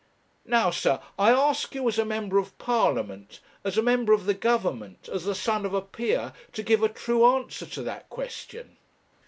Now, sir, I ask you, as a member of Parliament, as a member of the Government, as the son of a peer, to give a true answer to that question.'